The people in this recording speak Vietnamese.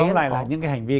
tổng lại là những hành vi